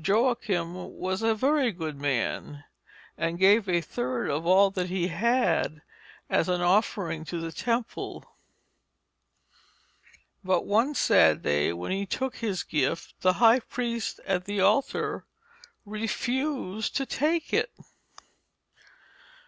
Joachim was a very good man, and gave a third of all that he had as an offering to the temple; but one sad day when he took his gift, the high priest at the altar refused to take it.